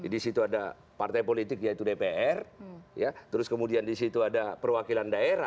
di situ ada partai politik yaitu dpr terus kemudian di situ ada perwakilan daerah